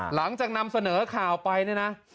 หลังจากนำเสนอข่าวไปเนี่ยนะ